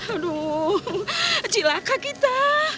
aduh cilaka kita